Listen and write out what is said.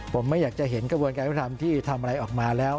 ผมไม่อยากจะเห็นกระบวนการยุติธรรมที่ทำอะไรออกมาแล้ว